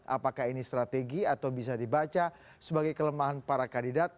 apakah ini strategi atau bisa dibaca sebagai kelemahan para kandidat